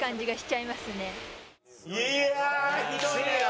いやあひどいね。